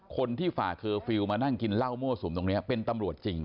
ฝ่าเคอร์ฟิลล์มานั่งกินเหล้ามั่วสุมตรงนี้เป็นตำรวจจริง